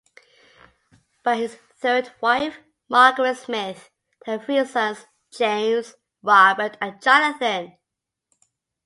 By his third wife, Margaret Smith, he had three sons: James, Robert, and Jonathan.